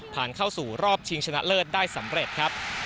เข้าสู่รอบชิงชนะเลิศได้สำเร็จครับ